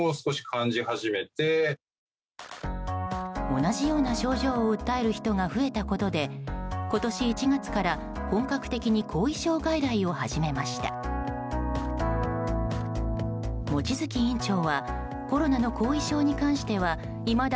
同じような症状を訴える人が増えたことで今年１月から本格的に後遺症外来を始めました。